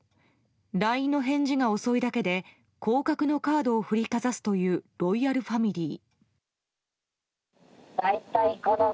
ＬＩＮＥの返事が遅いだけで降格のカードを振りかざすというロイヤルファミリー。